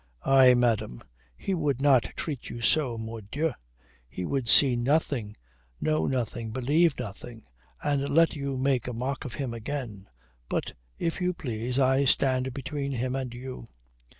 Aye, madame, he would not treat you so, mordieu. He would see nothing, know nothing, believe nothing. And let you make a mock of him again. But if you please, I stand between him and you."